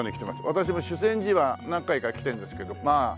私も修善寺は何回か来てるんですけどまあ比較的